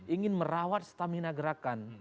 ingin merawat stamina gerakan